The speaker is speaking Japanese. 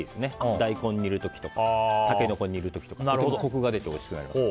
大根を煮る時とかタケノコを煮る時とか入れるとコクが出ておいしくなります。